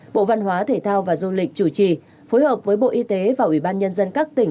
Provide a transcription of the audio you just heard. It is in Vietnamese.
bộ văn hóa thể thao và du lịch chủ trì phối hợp với bộ y tế và ubnd các tỉnh